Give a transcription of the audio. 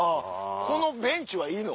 このベンチはいいの？